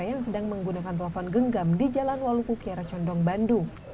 yang sedang menggunakan telepon genggam di jalan waluku kiara condong bandung